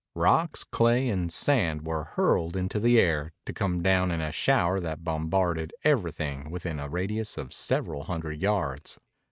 Rocks, clay, and sand were hurled into the air, to come down in a shower that bombarded everything within a radius of several hundred yards.